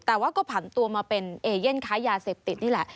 แต่ว่าก็ผันตัวมาเป็นเอเย่นค้ายาเสพติดนี่แหละ